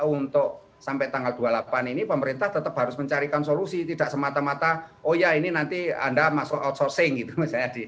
untuk sampai tanggal dua puluh delapan ini pemerintah tetap harus mencarikan solusi tidak semata mata oh ya ini nanti anda masuk outsourcing gitu misalnya